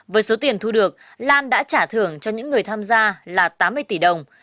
với số tiền thu được lan đã trả thưởng cho những người tham gia là tám mươi tỷ đồng